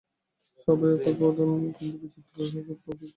সবই এক উপাদান, কিন্তু বিচিত্ররূপে অভিব্যক্ত।